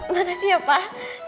makasih ya pak